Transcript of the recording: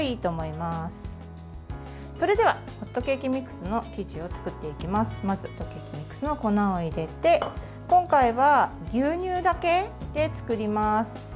まず、ホットケーキミックスの粉を入れて今回は牛乳だけで作ります。